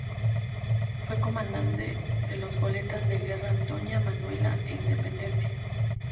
Fue comandante de las goletas de Guerra Antonia Manuela e Independencia.